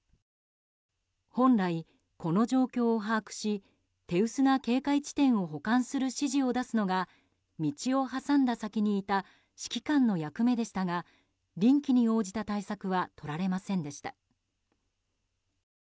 本来、この状況を把握し手薄な警戒地点を補完する指示を出すのが道を挟んだ先にいた指揮官の役目でしたが臨機に応じた対策はとられませんでした。